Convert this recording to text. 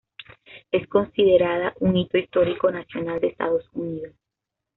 Es considerada un Hito Histórico Nacional de Estados Unidos.